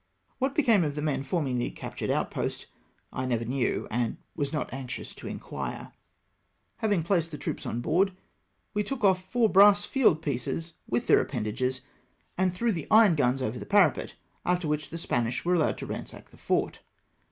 What became of the men forming the captured outpost I never knew, and was not anxious to inquire. Having placed the troops on board, Ave took off four EXCESSES OF THE FRENCH. 265 brass field pieces with their appendages, and threw the iron guns over the parapet ; after which the Spaniards were allowed to ransack the fort.